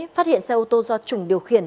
phát hiện xe ô tô do trùng điều khiển